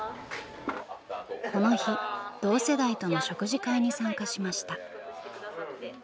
この日同世代との食事会に参加しました。